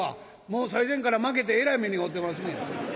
もう最前からまけてえらい目に遭うてますねん。